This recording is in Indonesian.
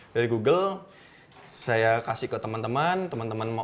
dari google saya kasih ke temen temen temen temen mau